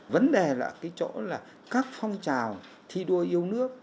vấn đề là các phong trào thi đua yêu nước